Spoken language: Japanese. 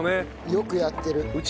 よくやってる。